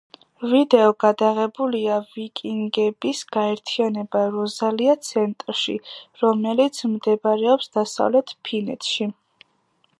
ვიდეო გადაღებულია ვიკინგების გაერთიანება როზალია ცენტრში, რომელიც მდებარეობს დასავლეთ ფინეთში.